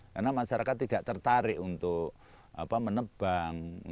karena masyarakat tidak tertarik untuk menebang